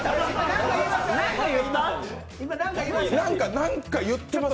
何か言ってます？